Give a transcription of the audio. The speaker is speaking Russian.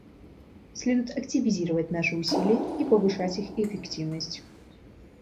Следует активизировать наши усилия и повышать их эффективность.